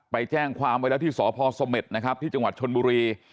ไปแจ้งความไว้แล้วที่สภสมมติที่จชนมุรี